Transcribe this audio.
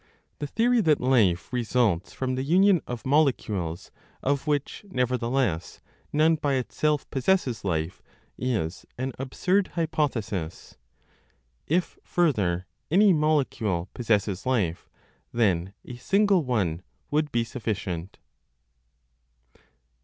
The theory that life results from the union of molecules of which, nevertheless, none by itself possesses life, is an absurd hypothesis. If further any molecule possesses life, then a single one would be sufficient.